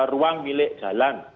ruang milik jalan